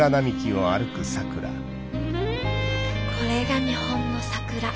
これが日本の桜。